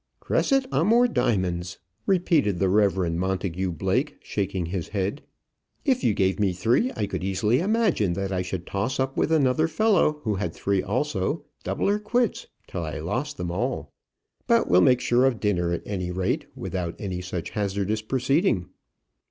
"Crescit amor diamonds!" repeated the Reverend Montagu Blake, shaking his head. "If you gave me three, I could easily imagine that I should toss up with another fellow who had three also, double or quits, till I lost them all. But we'll make sure of dinner, at any rate, without any such hazardous proceeding."